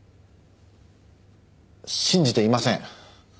信じていません。